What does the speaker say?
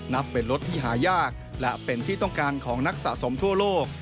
นับเป็นรถที่หายากและเป็นที่ต้องการของนักสะสมทั่วโลก